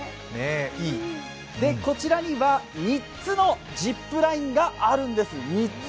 こちらには、３つのジップラインがあるんです。